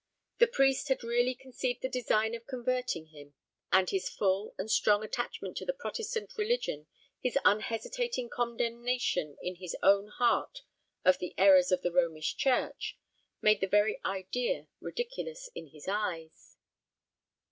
The priest had really conceived the design of converting him; and his full and strong attachment to the Protestant religion, his unhesitating condemnation in his own heart of the errors of the Romish church, made the very idea ridiculous in his eyes.